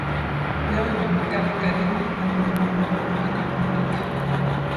Leo inaonekana Karimi amejipamba akapambika.